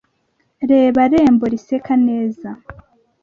reba rembo riseka neza,